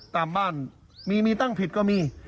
ตามบ้านมีมีตั้งผิดก็มี